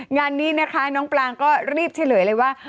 งานนี้นะคะน้องปลางก็รีบเฉลยเลยว่า